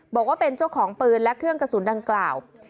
บอกว่าเป็นเจ้าของปืนและเครื่องกระสุนดังกล่าว